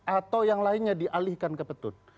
atau yang lainnya dialihkan ke pt un